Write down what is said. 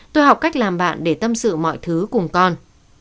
tôi học cách làm bạn để tâm sự mọi thứ cùng con